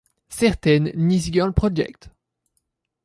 Certaines Nice Girl Project!